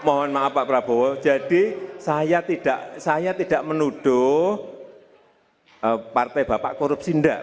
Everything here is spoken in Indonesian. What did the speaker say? mohon maaf pak prabowo jadi saya tidak menuduh partai bapak korupsi enggak